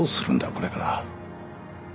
これから。